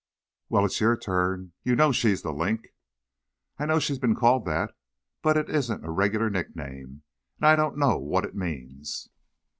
"Well, it's your turn. You know she's 'The Link'?" "I know she's been called that, but it isn't a regular nickname, and I don't know what it means."